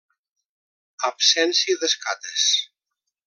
Absència d'escates.